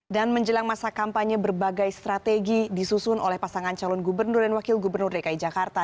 dan menjelang masa kampanye berbagai strategi disusun oleh pasangan calon gubernur dan wakil gubernur dki jakarta